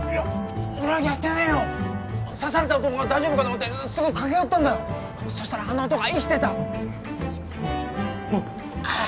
俺はやってねえよ刺された男が大丈夫かと思って駆け寄ったんだそしたらあの男は生きてたおいおいッ